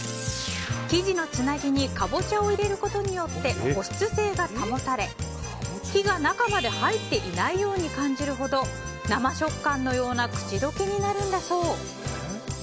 生地のつなぎにカボチャを入れることによって保湿性が保たれ火が中まで入っていないように感じるほど生食感のような口溶けになるんだそう。